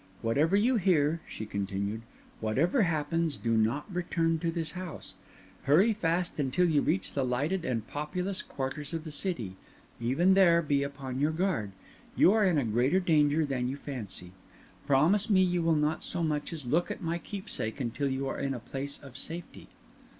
Whatever you hear," she continued, "whatever happens, do not return to this house; hurry fast until you reach the lighted and populous quarters of the city; even there be upon your guard. You are in a greater danger than you fancy. Promise me you will not so much as look at my keepsake until you are in a place of safety."